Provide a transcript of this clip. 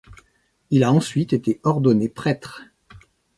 Il a ensuite été ordonné prêtre.